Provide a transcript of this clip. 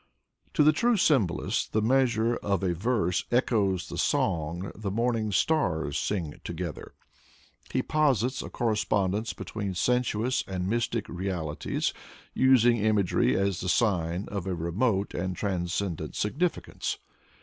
To the true symbolist the measure of a verse echoes the song the morning stars sing together. He posits a correspondence between sensuous and mystic realities, using imagery as the sign of a remote and transcencfent significance.